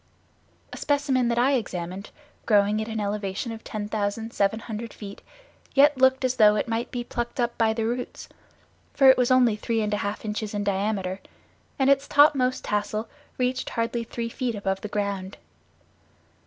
A specimen that I examined, growing at an elevation of 10,700 feet, yet looked as though it might be plucked up by the roots, for it was only three and a half inches in diameter and its topmost tassel reached hardly three feet above the ground.